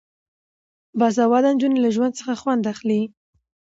باسواده نجونې له ژوند څخه خوند اخلي.